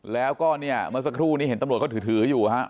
แล้วก็เนี่ยเมื่อสักครู่นี้เห็นตำรวจเขาถืออยู่ฮะ